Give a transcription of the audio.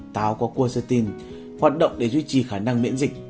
táo có cua sơ tin hoạt động để duy trì khả năng miễn dịch